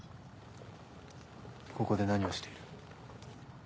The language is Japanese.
ここで何をしている。